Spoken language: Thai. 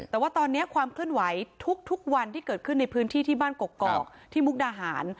แต่ว่าตอนนี้ความเคลื่อนไหวทุกวันที่เกิดขึ้นในพื้นที่ที่บ้านกกอกที่มุกดาหาร